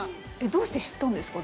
どうして知ったんですか？